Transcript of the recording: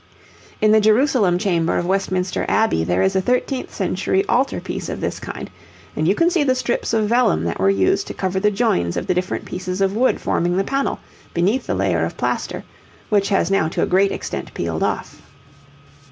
In the Jerusalem Chamber of Westminster Abbey there is a thirteenth century altar piece of this kind, and you can see the strips of vellum that were used to cover the joins of the different pieces of wood forming the panel, beneath the layer of plaster, which has now to a great extent peeled off.